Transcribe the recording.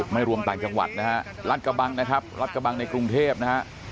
ไม่รวมต่างจังหวัดนะฮะรัฐกระบังนะครับรัฐกระบังในกรุงเทพนะฮะ